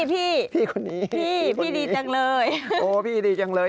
พี่คุณนี้พี่พี่ดีจังเลย